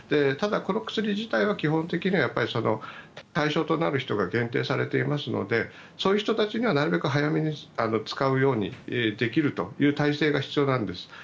ただ、この薬自体は基本的には対象となる人が限定されていますのでそういう人たちにはなるべく早めに使うことができるという体制が必要なんです。